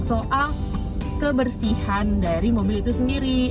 soal kebersihan dari mobil itu sendiri